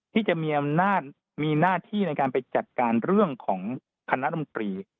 ที่จะมีอำนาจมีหน้าที่ในการไปจัดการเรื่องของคณะรมตรี